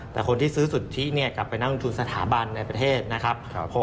แต่คนที่ซื้อสุทธิเนี่ยกลับไปนั่งลงทุนสถาบันในประเทศนะครับ